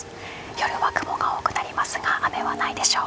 夜は雲が多くなりますが雨はないでしょう。